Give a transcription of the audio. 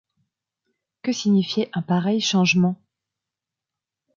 Que signifiait un pareil changement ?